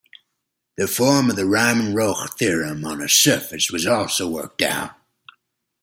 The form of the Riemann-Roch theorem on a surface was also worked out.